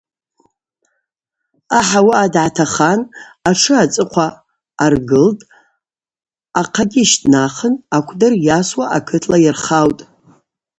Ахӏ ауаъа дгӏатахан, атшы ацӏыхъва аргылтӏ, ахъагьи щтӏнахын акӏвдыр йасуа акытла йархаутӏ.